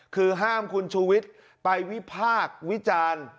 คือห้าห้ามคุณชูวิทธิ์ไปวิภาควิจารณ์